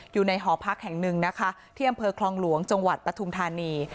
หอพักแห่งหนึ่งนะคะที่อำเภอคลองหลวงจังหวัดปฐุมธานี